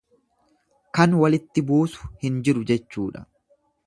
Kan walitti buusu hin jiru jechuudha.